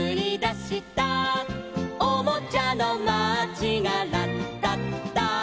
「おもちゃのマーチがラッタッタ」